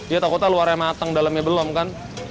iya takutah luarnya matang dalamnya belum kan